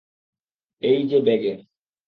এই যে ব্যাগ।